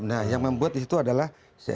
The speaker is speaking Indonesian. nah yang membuat itu adalah